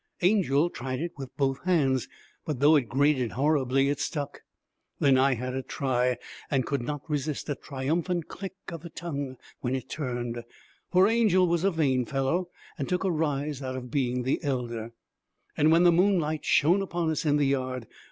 Angel tried it with both hands, but though it grated horribly, it stuck. Then I had a try, and could not resist a triumphant click of the tongue when it turned, for Angel was a vain fellow and took a rise out of being the elder. And when the moonlight shone upon us in the yard!